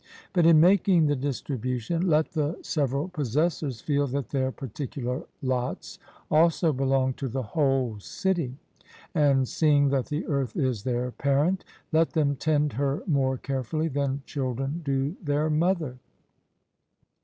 But in making the distribution, let the several possessors feel that their particular lots also belong to the whole city; and seeing that the earth is their parent, let them tend her more carefully than children do their mother.